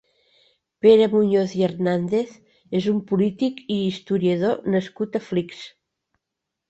Pere Muñoz i Hernández és un polític i historiador nascut a Flix.